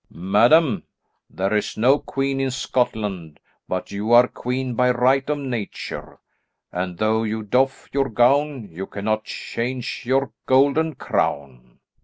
"Madam, there is no queen in Scotland, but you are queen by right of nature, and though you doff your gown, you cannot change your golden crown."